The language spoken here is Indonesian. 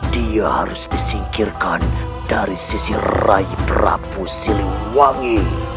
dia harus disingkirkan dari sisi rai prapu siliwangi